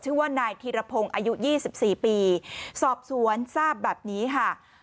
ชื่อว่านายธีรพงศ์อายุ๒๔ปีสอบสวนทราบแบบนี้ค่ะ